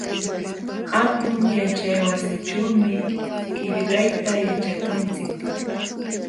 Hatun yaćhaywasićhuumi qillqayta yaćhanchik.